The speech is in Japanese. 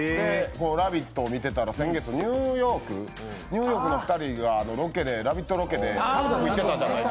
「ラヴィット！」を見ていたら先月、ニューヨークの２人が「ラヴィット！」ロケで行ってたじゃないですか。